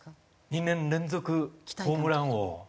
２年連続ホームラン王。